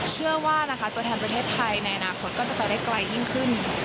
เชื่อว่านะคะตัวแทนประเทศไทยในอนาคตก็จะไปได้ไกลยิ่งขึ้น